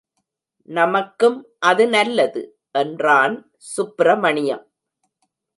நமக்கும் அது நல்லது! என்றான் சுப்பிரமணியம்.